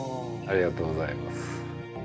ありがとうございます。